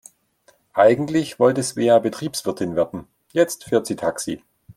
Eigentlich wollte Svea Betriebswirtin werden, jetzt fährt sie Taxi.